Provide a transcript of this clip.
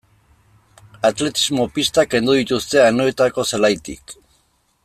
Atletismo-pistak kendu dituzte Anoetako zelaitik.